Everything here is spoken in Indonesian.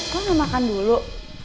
kau mau makan dulu